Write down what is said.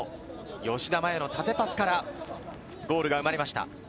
吉田麻也の縦パスからゴールが生まれました。